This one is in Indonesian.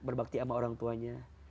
berbakti sama orang tuanya